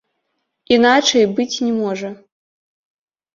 Іначай быць не можа!